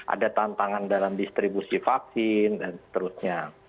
ada tantangan dalam distribusi vaksin dan seterusnya